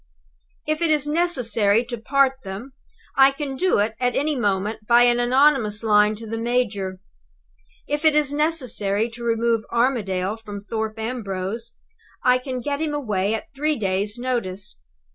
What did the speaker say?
If it is necessary to part them, I can do it at any moment by an anonymous line to the major. If it is necessary to remove Armadale from Thorpe Ambrose, I can get him away at three days' notice.